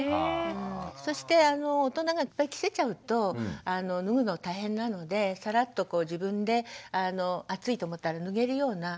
そして大人がいっぱい着せちゃうと脱ぐのが大変なのでサラッと自分で暑いと思ったら脱げるような。